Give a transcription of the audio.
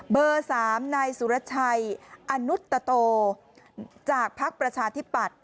เบอร์๓นายสุรชัยอนุตโตจากภักดิ์ประชาธิปัตย